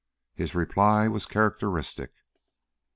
His reply was characteristic.